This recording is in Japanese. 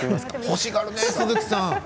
欲しがるね、鈴木さん。